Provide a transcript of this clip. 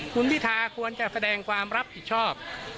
คุณพิธาควรจะแสดงความรับผิดชอบ